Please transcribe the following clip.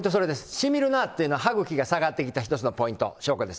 しみるなというのは、歯ぐきが下がってきた１つのポイント、証拠です。